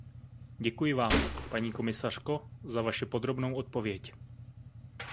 Děkuji vám, paní komisařko, za vaši podrobnou odpověď.